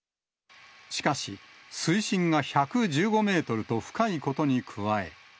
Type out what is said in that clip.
しかし、水深が１１５メートルと深いことに加え。